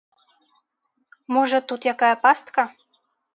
Можа, тут якая пастка?